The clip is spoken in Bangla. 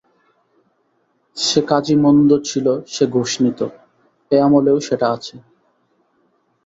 সে কাজি মন্দ ছিল সে ঘুষ নিত, এ আমলেও সেটা আছে।